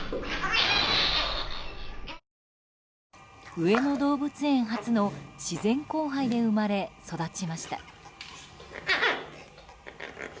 上野動物園初の自然交配で生まれ、育ちました。